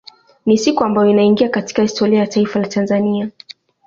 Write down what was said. Ni siku ambayo inaingia katika historia ya taifa la Tanzania